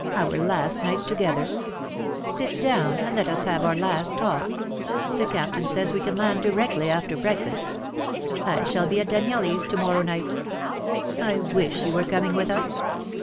Our last night together! Sit down and let us have our last talk. The Captain says we can land directly after breakfast. I shall be at Danielli's to morrow night. I wish you were coming with us."